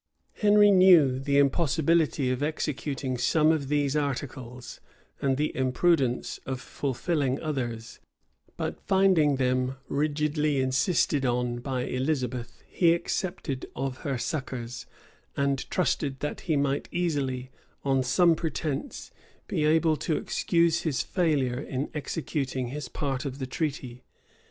[] Henry knew the impossibility of executing some of these articles, and the imprudence of fulfilling others; but finding them rigidly insisted on by Elizabeth, he accepted of her succors, and trusted that he might easily, on some pretence, be able to excuse his failure in executing his part of the treaty.